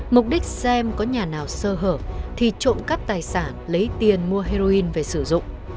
mục đích xem có nhà nào sơ hở thì trộm cắp tài sản lấy tiền mua heroin về sử dụng